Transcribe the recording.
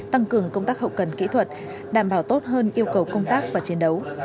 tăng cường công tác hậu cần kỹ thuật đảm bảo tốt hơn yêu cầu công tác và chiến đấu